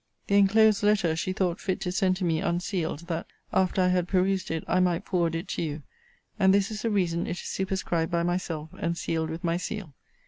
The enclosed letter she thought fit to send to me unsealed, that, after I had perused it, I might forward it to you: and this is the reason it is superscribed by myself, and sealed with my seal.